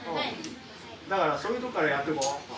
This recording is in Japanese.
だからそういうところからやって行こう。